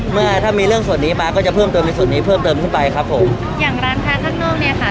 เมื่อถ้ามีเรื่องส่วนนี้มาก็จะเพิ่มเติมในส่วนนี้เพิ่มเติมขึ้นไปครับผมอย่างร้านค้าข้างนอกเนี้ยค่ะ